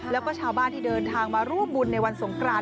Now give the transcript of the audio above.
แล้วก็ชาวบ้านที่เดินทางมาร่วมบุญในวันสงกราน